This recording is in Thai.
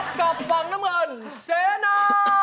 กับฝั่งน้ำเงินเสนา